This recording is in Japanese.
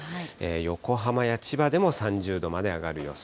横浜や千葉でも３０度まで上がる予想。